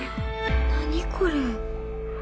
何これ。